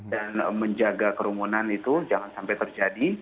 dan menjaga kerumunan itu jangan sampai terjadi